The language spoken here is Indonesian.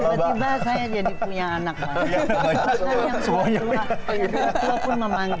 tiba tiba saya jadi punya anak